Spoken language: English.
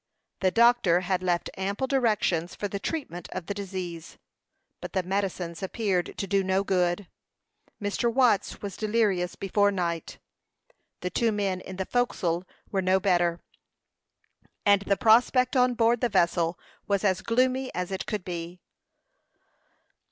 The doctor had left ample directions for the treatment of the disease, but the medicines appeared to do no good. Mr. Watts was delirious before night. The two men in the forecastle were no better, and the prospect on board the vessel was as gloomy as it could be.